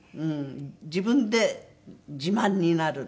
自分で自慢になる。